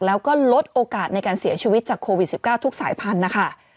แล้วก็ลดโอกาสในการเสียชีวิตจากโควิด๑๙ทุกสายพันธุ์นะคะ